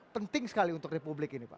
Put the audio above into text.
penting sekali untuk republik ini pak